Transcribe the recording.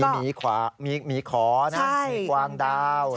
มีขอนะมีความดาวน์